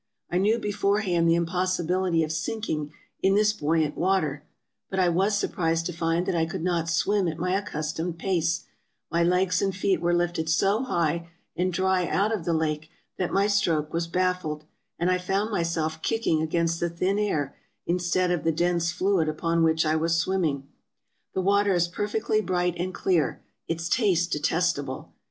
I knew beforehand the impossibility of sinking in this buoyant water; but I was surprised to find that I could not swim at my accustomed pace ; my legs and feet were lifted so high and dry out of the lake that my stroke was baffled, and I found myself kicking against the thin air, in stead of the dense fluid upon which I was swimming. The water is perfectly bright and clear; its taste detestable.